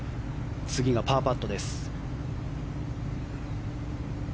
次がパーパットです。